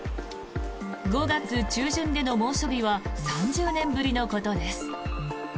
５月中旬での猛暑日は３０年ぶりのことです。